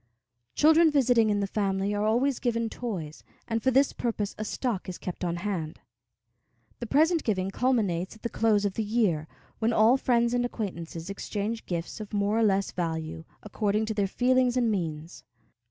Children visiting in the family are always given toys, and for this purpose a stock is kept on hand. The present giving culminates at the close of the year, when all friends and acquaintances exchange gifts of more or less value, according to their feelings and means.